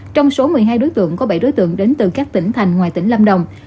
trong số một mươi hai đối tượng có bảy đối tượng đến từ các tỉnh thành ngoài tỉnh lâm đồng